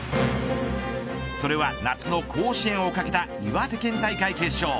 それは夏の甲子園をかけた岩手県大会決勝。